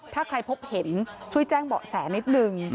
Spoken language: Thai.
ถ้าใครพบเห็นช่วยแจ้งเบาะแสนิดนึง